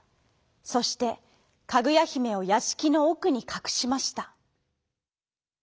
そしてかぐやひめをやしきのおくにかくしました。